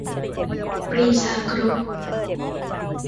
ปรีชากรุ๊ป